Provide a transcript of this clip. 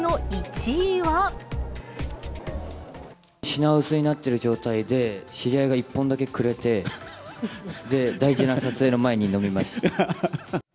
品薄になってる状態で、知り合いが１本だけくれて、で、大事な撮影の前に飲みました。